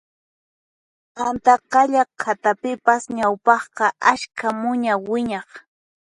Antaqalla qhatapipas ñawpaqqa askha muña wiñaq